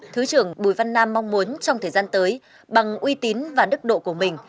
thứ trưởng bùi văn nam mong muốn trong thời gian tới bằng uy tín và đức độ của mình